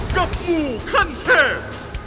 กับหมูขั้นแพบ